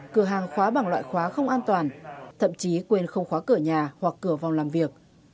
cửa hàng khóa bằng loại khóa không an toàn thậm chí quên không khóa cửa nhà hoặc cửa vòng làm việc